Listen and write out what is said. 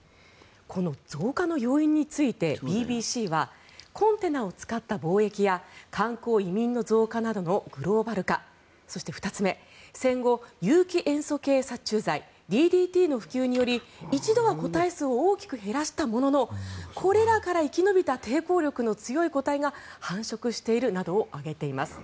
この増加の要因についてＢＢＣはコンテナを使った貿易や観光・移民の増加などのグローバル化そして２つ目、戦後有機塩素系殺虫剤・ＤＤＴの普及により一度は個体数を大きく減らしたもののこれらから生き延びた抵抗力の強い個体が繁殖しているなどを挙げています。